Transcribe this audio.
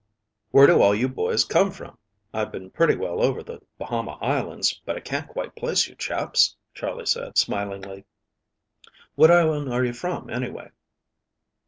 "WHERE do all you boys come from?[A] I've been pretty well over the Bahama Islands, but I can't quite place you chaps," Charley said, smilingly. "What island are you from, anyway?"